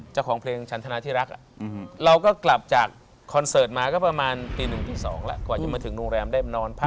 เจ้าของเพลงชันทนาที่รักเราก็กลับจากคอนเสิร์ตมาก็ประมาณตีหนึ่งตี๒แล้วกว่าจะมาถึงโรงแรมได้นอนพัก